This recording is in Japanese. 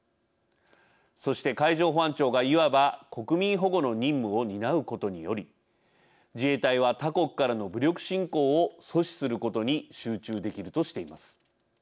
そして海上保安庁がいわば国民保護の任務を担うことにより自衛隊は他国からの武力侵攻を阻止することに集中できるとしています。